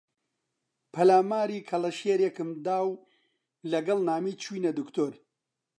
پەلاماری کەڵەشێرێکم دا و لەگەڵ نامی چووینە دکتۆر